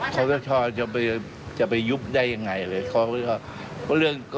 คอสชจะไปยุบได้อย่างไรเลย